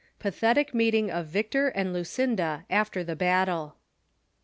PATHETIC MEETIXG OF VICTOR AXD LUCIXDA AFTER THE BATTLE.